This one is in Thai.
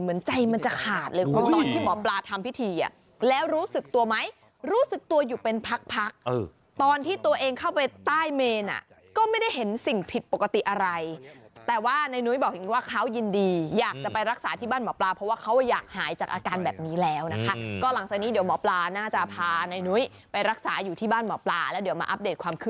เหมือนใจมันจะขาดเลยคุณตอนที่หมอปลาทำพิธีอ่ะแล้วรู้สึกตัวไหมรู้สึกตัวอยู่เป็นพักพักตอนที่ตัวเองเข้าไปใต้เมนอ่ะก็ไม่ได้เห็นสิ่งผิดปกติอะไรแต่ว่าในนุ้ยบอกอีกว่าเขายินดีอยากจะไปรักษาที่บ้านหมอปลาเพราะว่าเขาอยากหายจากอาการแบบนี้แล้วนะคะก็หลังจากนี้เดี๋ยวหมอปลาน่าจะพาในนุ้ยไปรักษาอยู่ที่บ้านหมอปลาแล้วเดี๋ยวมาอัปเดตความคื